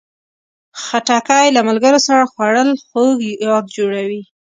خټکی له ملګرو سره خوړل خوږ یاد جوړوي.